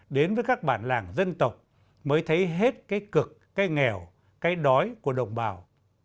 đến với các bản làng dân tộc mới thấy hết cái cực cái nghèo cái đói của đồng bào